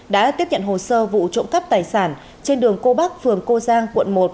đã tiếp nhận hồ sơ vụ trộm cắp tài sản trên đường cô bắc phường cô giang quận một